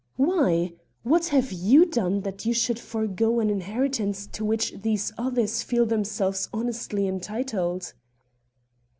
"Why? What have you done that you should forego an inheritance to which these others feel themselves honestly entitled?"